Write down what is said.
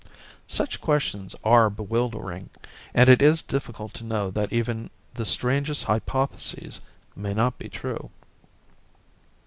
Such questions are bewildering, and it is difficult to know that even the strangest hypotheses may not be true.